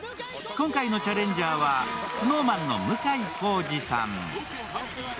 今回のチャレンジャーはＳｎｏｗＭａｎの向井康二さん。